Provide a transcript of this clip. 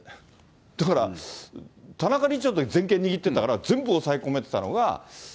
だから、田中理事長のとき全権握ってんだから、全部押さえ込めてたのが。